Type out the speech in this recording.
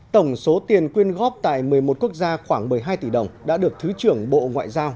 tổng số tiền quyên góp tại một mươi một quốc gia khoảng một mươi hai tỷ đồng đã được thứ trưởng bộ ngoại giao